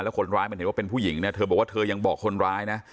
คนร้ายมันเห็นว่าเป็นผู้หญิงเนี่ยเธอบอกว่าเธอยังบอกคนร้ายนะ